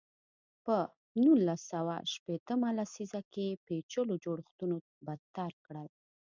په نولس سوه شپېته مه لسیزه کې پېچلو جوړښتونو بدتر کړل.